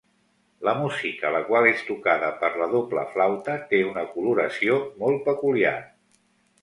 La música, la qual és tocada per la doble flauta, té una coloració molt peculiar.